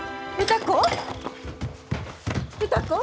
歌子。